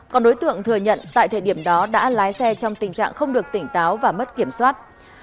còn đối tượng thừa nhận tại thời điểm đó đã lái xe trong tình trạng không được tỉnh táo và mất kiểm soát